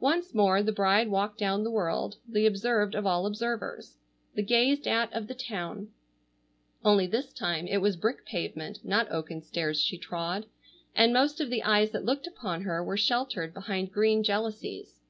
Once more the bride walked down the world the observed of all observers, the gazed at of the town, only this time it was brick pavement not oaken stairs she trod, and most of the eyes that looked upon her were sheltered behind green jalousies.